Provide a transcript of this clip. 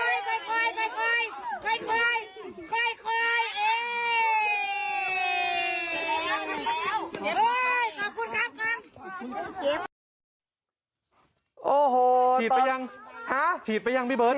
โอ้โหเฉียบอย่างฉีดอย่างพี่บำ